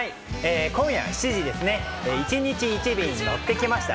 今夜７時ですね、『１日１便乗ってきました』。